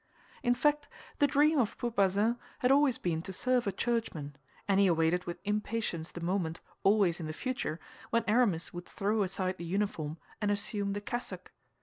In fact, the dream of poor Bazin had always been to serve a churchman; and he awaited with impatience the moment, always in the future, when Aramis would throw aside the uniform and assume the cassock.